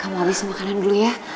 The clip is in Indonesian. kamu habis makanan dulu ya